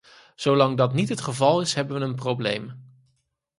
Zolang dat niet het geval is hebben we een probleem.